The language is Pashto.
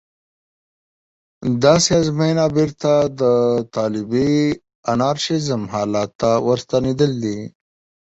داسې ازموینه بېرته د طالبي انارشېزم حالت ته ورستنېدل دي.